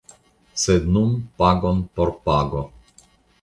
Sed nun pagon por pago.